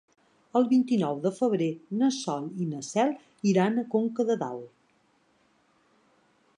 El vint-i-nou de febrer na Sol i na Cel iran a Conca de Dalt.